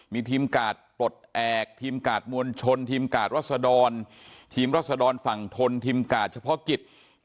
มีทีมกาดปลดแอบทีมกาดมวลชนทีมกาดรัศดรทีมรัศดรฝั่งทนทีมกาดเฉพาะกิจ